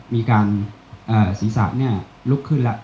มีการศีรษะลุกขึ้นแล้ว